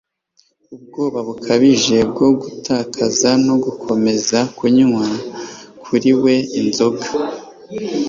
ubwoba bukabije bwo gutakaza no gukomeza kunywa. kuri we, inzoga